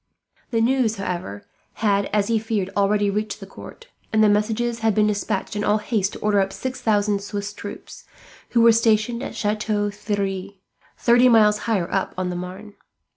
The news however had, as he feared, already reached the court; and messages had been despatched in all haste to order up six thousand Swiss troops, who were stationed at Chateau Thierry, thirty miles higher up the Maine.